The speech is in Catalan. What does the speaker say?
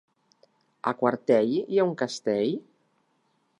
A Quartell hi ha un castell?